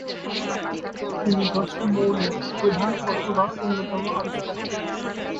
তিনি দশটি মৌলের প্রধান অথবা অন্যতম আবিষ্কারক।